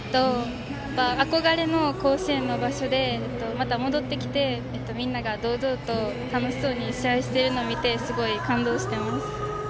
憧れの甲子園にまた戻ってきてみんなが堂々と楽しそうに試合しているのを見てすごい感動しています。